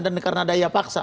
dan karena daya paksa